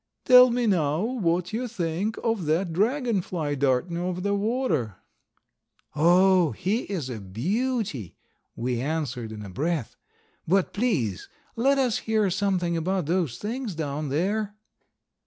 "Tell me now what you think of that Dragon fly darting over the water?" "Oh, he is a beauty," we answered in a breath. "But please let us hear something about those things down there."